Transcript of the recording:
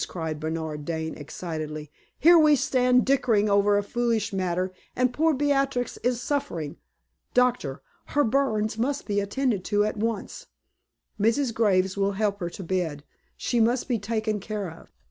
cried Bernard Dane, excitedly, "here we stand dickering over a foolish matter, and poor Beatrix is suffering. Doctor, her burns must be attended to at once. Mrs. Graves will help her to bed; she must be taken care of."